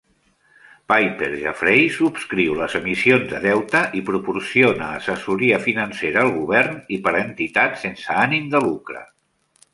Piper Jaffray subscriu les emissions de deute i proporciona assessoria financera al govern i per a entitats sense ànim de lucre.